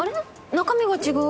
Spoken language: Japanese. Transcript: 中身が違う。